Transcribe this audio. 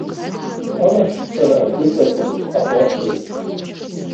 Алашьцара дыҵакын аҟәарҭ еиԥш.